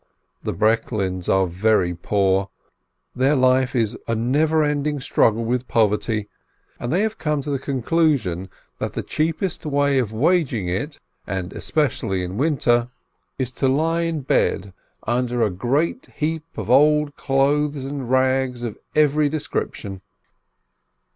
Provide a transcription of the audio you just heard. The Breklins are very poor, their life is a never ending struggle with poverty, and they have come to the conclusion that the cheapest way of waging it, and especially in winter, is to lie in 378 S. LIBIN bed under a great heap of old clothes and rags of every description.